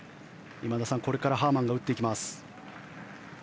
今田さん、これからハーマンが打っていきます。